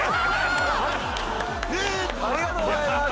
ありがとうございます。